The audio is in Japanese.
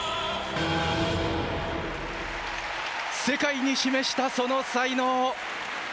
世界に示したその才能。